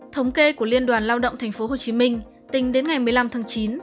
thống kê của liên đoàn lao động tp hcm tính đến ngày một mươi năm tháng chín